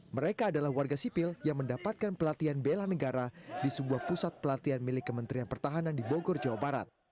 mereka adalah warga sipil yang mendapatkan pelatihan bela negara di sebuah pusat pelatihan milik kementerian pertahanan di bogor jawa barat